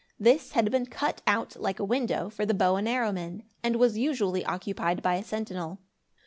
This had been cut out, like a window, for the bow and arrow men, and was usually occupied by a sentinel.